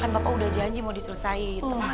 kan bapak udah janji mau diselesai